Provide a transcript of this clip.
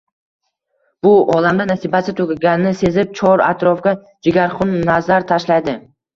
Bu olamda nasibasi tugaganini sezib, chor-atrofga jigarxun nazar tashlaydi.